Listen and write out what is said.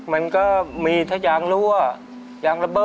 มันไม่มีคนงานครับ